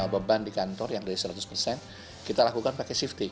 beban di kantor yang dari seratus persen kita lakukan pakai safety